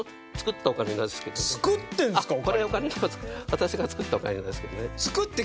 私が作ったオカリナですけどね。